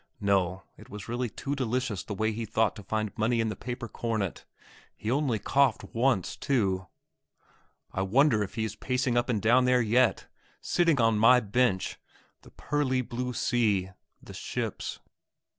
No, it was really too delicious the way he thought to find money in the paper cornet! He only coughed once, too! I wonder if he is pacing up and down there yet! Sitting on my bench? the pearly blue sea ... the ships....